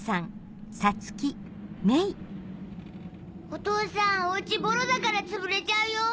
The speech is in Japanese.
お父さんお家ボロだからつぶれちゃうよ。